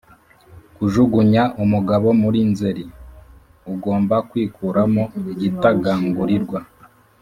kujugunya umugabo muri nzeri, ugomba kwikuramo igitagangurirwa